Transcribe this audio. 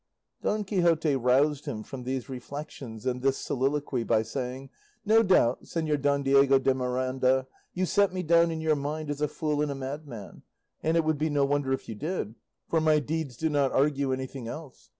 Don Quixote roused him from these reflections and this soliloquy by saying, "No doubt, Señor Don Diego de Miranda, you set me down in your mind as a fool and a madman, and it would be no wonder if you did, for my deeds do not argue anything else.